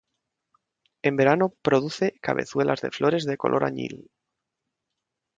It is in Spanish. En verano produce cabezuelas de flores de color añil.